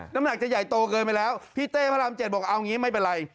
น้ำหนักจะใหญ่โตเกินไปแล้วพี่เต้พระราม๗บอกเอางี้ไม่เป็นไร